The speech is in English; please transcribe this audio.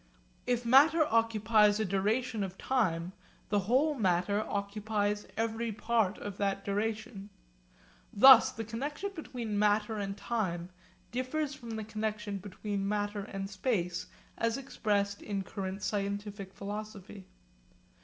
If matter occupies a duration of time, the whole matter occupies every part of that duration. Thus the connexion between matter and time differs from the connexion between matter and space as expressed in current scientific philosophy.